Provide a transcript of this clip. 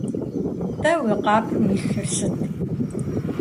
- Нтӏэ уи къэпым илъыр сыт?